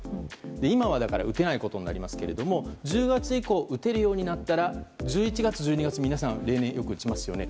今は打てないことになりますけれども１０月以降打てるようになったら１１月、１２月皆さん、例年よく打ちますよね。